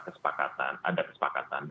kesepakatan ada kesepakatan